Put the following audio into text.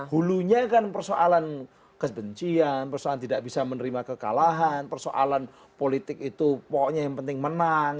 hulunya kan persoalan kebencian persoalan tidak bisa menerima kekalahan persoalan politik itu pokoknya yang penting menang